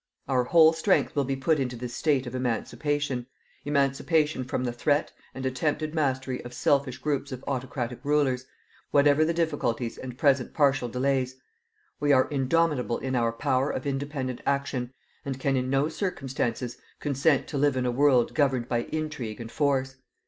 Our whole strength will be put into this state of emancipation emancipation from the threat and attempted mastery of selfish groups of autocratic rulers whatever the difficulties and present partial delays. We are indomitable in our power of independent action, and can in no circumstances consent to live in a world governed by intrigue and force.